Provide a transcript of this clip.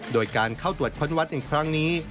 โดยการเข้าตรวจค้นวัดในครั้งนี้